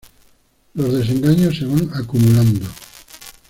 Los desengaños se van acumulando.